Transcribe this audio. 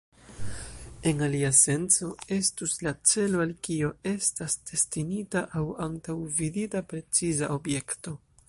En alia senco estus la celo al kio estas destinita aŭ antaŭvidita preciza objekto.